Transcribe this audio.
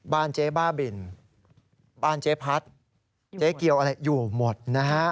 เจ๊บ้าบินบ้านเจ๊พัดเจ๊เกียวอะไรอยู่หมดนะฮะ